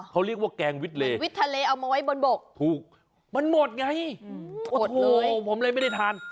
เขาเรียกว่าแกงวิทเละถูกมันหมดไงโอ้โธ่ผมเลยไม่ได้ทาน